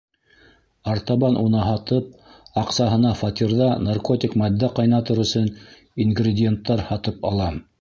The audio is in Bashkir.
Артабан уны һатып, аҡсаһына фатирҙа наркотик матдә ҡайнатыр өсөн ингредиенттар һатып алам.